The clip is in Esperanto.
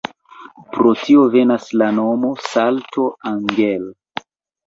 Pro tio venas la nomo "Salto Angel".